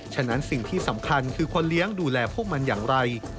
ฉะนั้นสิ่งที่สำคัญคือคนเลี้ยงดูแลพวกมันอย่างไร